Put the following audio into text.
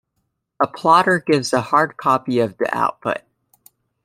A plotter gives a hard copy of the output.